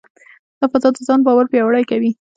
دا فضا د ځان باور پیاوړې کوي.